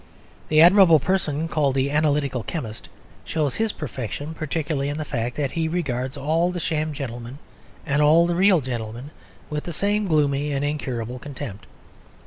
The admirable person called the Analytical Chemist shows his perfection particularly in the fact that he regards all the sham gentlemen and all the real gentlemen with the same gloomy and incurable contempt.